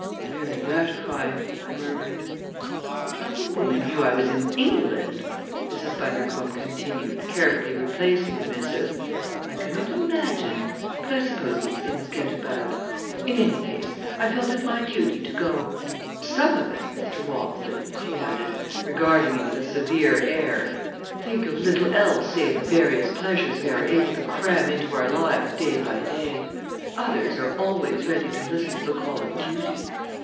"Very gratifying!" I murmured. "How the woman knew that I was in England," Mrs. Bundercombe continued, carefully replacing the missive, "I cannot imagine; but I suppose these things get about. In any case I felt it my duty to go. Some of us, Mr. Walmsley," she added, regarding me with a severe air, "think of little else save the various pleasures we are able to cram into our lives day by day. Others are always ready to listen to the call of duty."